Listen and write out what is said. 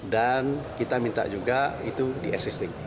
dan kita minta juga itu di existing